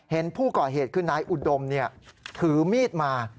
เห็นผู้ก่อเหตุคือนายอุดมถือมีดมา